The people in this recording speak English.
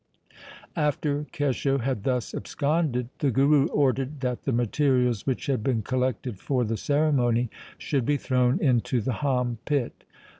After Kesho had thus absconded, the Guru ordered that the materials which had been collected for the ceremony should be thrown into the hom pit.